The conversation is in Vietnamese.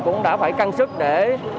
cũng đã phải căng sức để